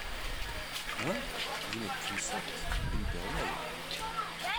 Hein ?… vous n’êtes qu’une sotte, une péronnelle !